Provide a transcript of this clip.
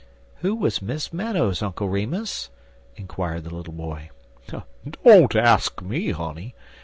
"Who was Miss Meadows, Uncle Remus?" inquired the little boy. "Don't ax me, honey.